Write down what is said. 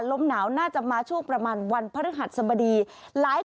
ลมหนาวน่าจะมาช่วงประมาณวันพฤหัสบดีหลายกรุงเทพฯ